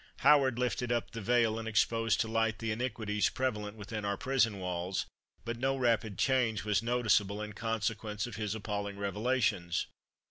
Howard lifted up the veil and exposed to light the iniquities prevalent within our prison walls; but no rapid change was noticeable in consequence of his appalling revelations.